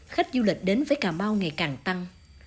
khách du lịch đến với cà mau ngày càng tăng